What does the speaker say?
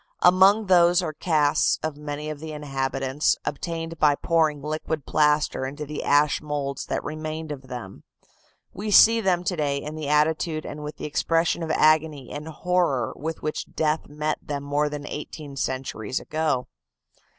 Among those are casts of many of the inhabitants, obtained by pouring liquid plaster into the ash moulds that remained of them. We see them to day in the attitude and with the expression of agony and horror with which death met them more than eighteen centuries ago.